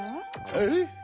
えっ？